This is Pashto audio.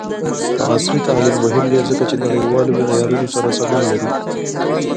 عصري تعلیم مهم دی ځکه چې نړیوالو معیارونو سره سمون لري.